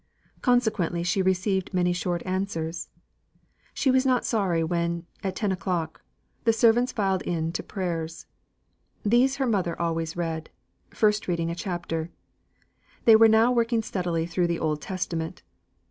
Consequently, she received many short answers. She was not sorry when, at ten o'clock, the servants filed in to prayers. These her mother always read, first reading a chapter. They were now working steadily through the Old Testament.